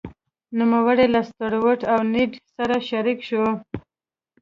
نوموړی له ستروټ او نیډ سره شریک شو.